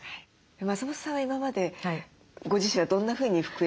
松本さんは今までご自身はどんなふうに服選びをされてきましたか？